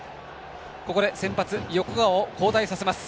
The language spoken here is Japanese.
ここで先発、横川を交代させます。